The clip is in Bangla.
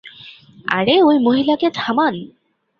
আরে, ওই মহিলাকে থামান।